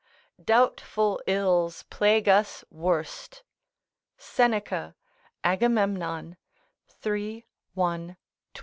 ["Doubtful ills plague us worst." Seneca, Agamemnon, iii. 1, 29.